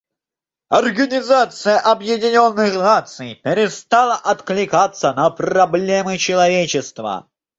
Организация Объединенных Наций перестала откликаться на проблемы человечества.